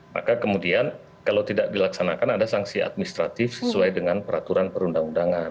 maka kemudian kalau tidak dilaksanakan ada sanksi administratif sesuai dengan peraturan perundang undangan